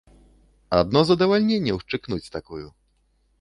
Адно задавальненне ўшчыкнуць такую!